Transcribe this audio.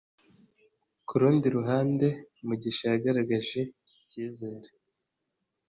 Ku rundi ruhande, Mugisha yagaragaje icyizere.